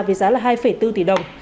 với giá là hai bốn tỷ đồng